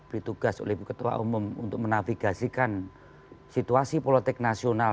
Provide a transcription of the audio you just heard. diberi tugas oleh buketua umum untuk menafigasikan situasi politik nasional